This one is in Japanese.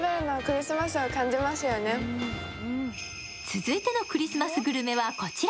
続いてのクリスマスグルメはこちら。